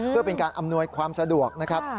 เพื่อเป็นการอำนวยความสะดวกนะครับ